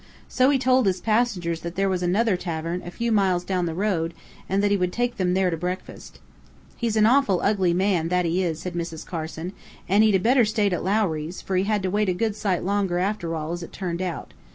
So he told his passengers that there was another tavern, a few miles down the road, and that he would take them there to breakfast. "He's an awful ugly man, that he is," said Mrs. Carson, "an' he'd better 'a' stayed at Lowry's, fur he had to wait a good sight longer, after all, as it turned out.